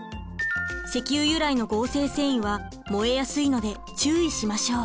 石油由来の合成繊維は燃えやすいので注意しましょう。